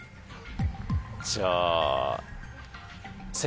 じゃあ。